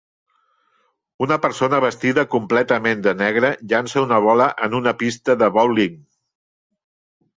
Una persona vestida completament de negre llança una bola en una pista de bowling.